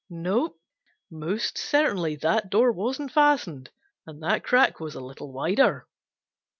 No, most certainly that door wasn't fastened, and that crack was a little wider.